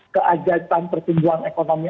keajatan pertumbuhan ekonomi